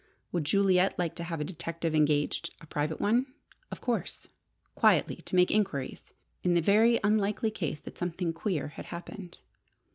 Would Juliet like to have a detective engaged a private one, of course quietly to make enquiries, in the very unlikely case that something queer had happened?